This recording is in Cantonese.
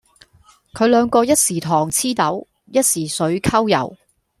佢兩個一時糖黐豆，一時水摳油